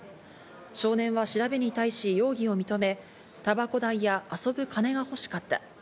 少年は調べに対し容疑を認め、たばこ代や遊ぶ金が欲しかった。